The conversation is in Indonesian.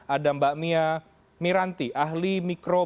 ada mbak mia miranti ahli mikro